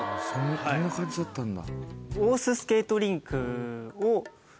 こんな感じだったんだ。